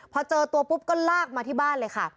พอเจอตัวปุ๊บก็ลากมาที่บ้านเลยค่ะ